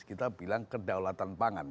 kita bilang kedaulatan pangan